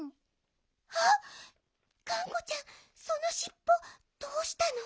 あっがんこちゃんそのしっぽどうしたの？